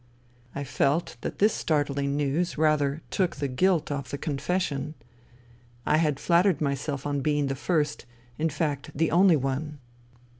I felt that this startling news rather took the gilt 40 FUTILITY off the confession. I had flattered myself on being the first, in fact the only one.